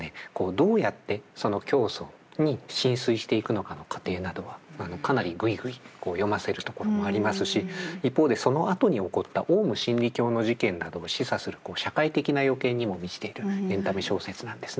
どうやってその教祖に心酔していくのかの過程などはかなりぐいぐい読ませるところもありますし一方でそのあとに起こったオウム真理教の事件などを示唆する社会的な予見にも満ちているエンタメ小説なんですね。